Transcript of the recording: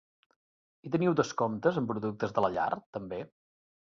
I teniu descomptes en productes de la llar també?